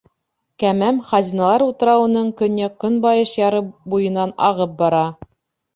Кәмәм Хазиналар утрауының көньяҡ-көнбайыш яры буйынан ағып бара.